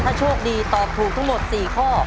ถ้าโชคดีตอบถูกทั้งหมด๔ข้อ